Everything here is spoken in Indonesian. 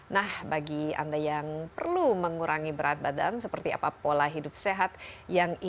nah bagi anda yang perlu mengurangi berat badan seperti apa pola hidup sehat yang ideal dan apa yang tidak